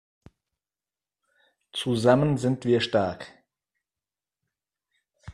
Zusammen sind wir stark!